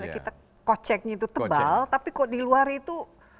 kita koceknya itu tebal tapi kok di luar itu